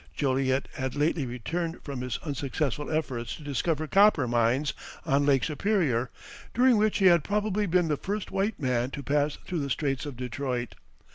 Joliet had lately returned from his unsuccessful efforts to discover copper mines on Lake Superior, during which he had probably been the first white man to pass through the Straits of Detroit.